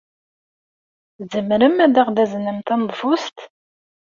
Tzemrem ad aɣ-d-taznem taneḍfust?